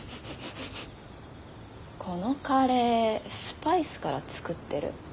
このカレースパイスから作ってる。